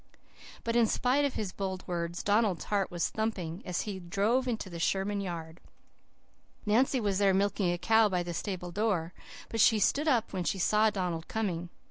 "But in spite of his bold words Donald's heart was thumping as he drove into the Sherman yard. Nancy was there milking a cow by the stable door, but she stood up when she saw Donald coming.